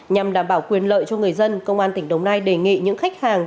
nhằm đảm bảo quyền lợi cho người dân công an tỉnh đồng nai đề nghị những khách hàng